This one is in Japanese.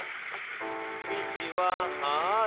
「みちはある」